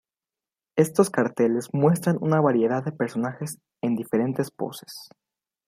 Estos carteles muestran una variedad de personajes en diferentes poses.